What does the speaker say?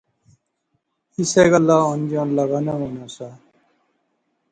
اسے گلاہ آن جان لغا نا ہونا سا